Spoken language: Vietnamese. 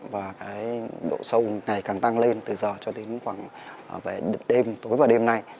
và cái độ sâu ngày càng tăng lên từ giờ cho đến khoảng đêm tối và đêm nay